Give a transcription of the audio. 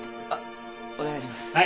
あっお願いします。